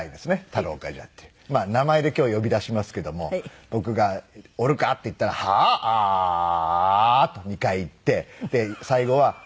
名前で今日は呼び出しますけども僕が「おるか？」って言ったら「ハアー」と２回言ってで最後は「御前に」とお辞儀。